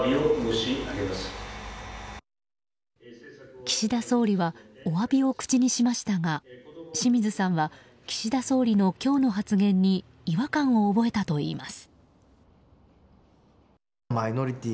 岸田総理はお詫びを口にしましたが清水さんは岸田総理の今日の発言に違和感を覚えたといいます。